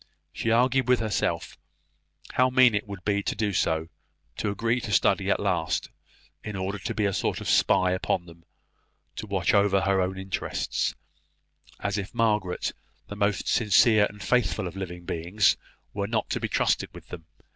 She argued with herself, how mean it would be to do so; to agree to study at last, in order to be a sort of spy upon them, to watch over her own interests; as if Margaret the most sincere and faithful of living beings were not to be trusted with them.